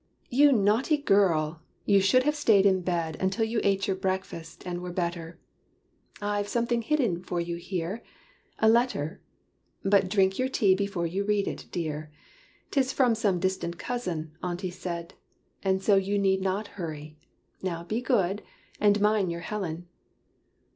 "You naughty girl! you should have stayed in bed Until you ate your breakfast, and were better I've something hidden for you here a letter. But drink your tea before you read it, dear! 'Tis from some distant cousin, Auntie said, And so you need not hurry. Now be good, And mind your Helen."